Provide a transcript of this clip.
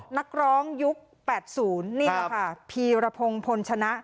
นักร้องยุคแปดศูนย์นี่แหละค่ะพีรพงษ์พลชนะ